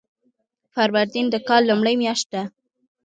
فروردین د کال لومړۍ میاشت ده.